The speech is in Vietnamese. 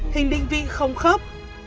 hình định vị không khớp